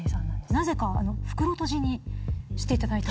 なぜか袋とじにしていただいたんです。